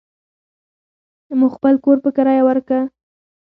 مو خپل کور په کريه وارکه.